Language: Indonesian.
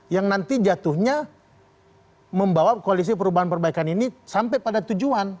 yang nanti jatuhnya membawa koalisi perubahan perbaikan ini sampai pada tujuan